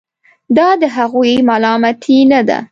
دا د هغوی ملامتي نه ده.